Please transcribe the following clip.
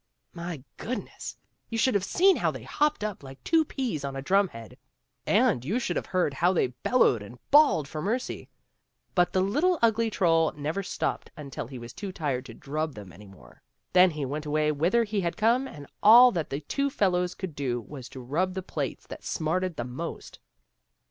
My goodness, you should have seen how they hopped about like two peas on a drum head, and you should have heard how they bellowed and bawled for mercy I But the little ugly troll never stopped until he was too tired to drub them any more ; then he went away whither he had come, and all that the two fellows could do was to rub the places that smarted the most.